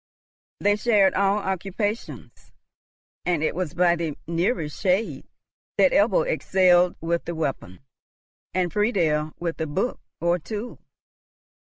They shared all occupations; and it was by the merest shade that Ebbo excelled with the weapon, and Friedel with the book or tool.